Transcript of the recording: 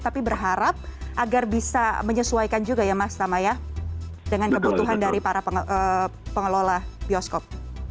tapi berharap agar bisa menyesuaikan juga ya mas tama ya dengan kebutuhan dari para pengelola bioskop